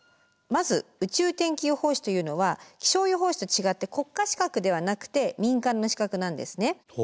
まず宇宙天気予報士というのは気象予報士と違って国家資格ではなくて民間の資格なんですね。